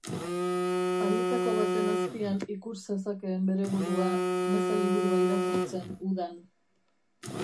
Haietako baten azpian ikus zezakeen bere burua, meza liburua irakurtzen udan.